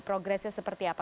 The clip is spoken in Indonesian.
progresnya seperti apa